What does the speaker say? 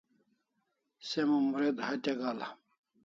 Se Mumuret hatya ga'l'a